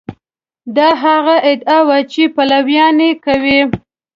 دا هغه ادعا ده چې پلویان یې کوي.